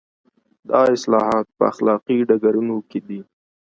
دا اصلاحات په اخلاقي ډګرونو کې دي.